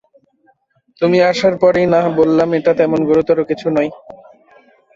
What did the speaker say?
তুমি আসার পরেই না বললাম এটা তেমন গুরুতর কিছু নয়।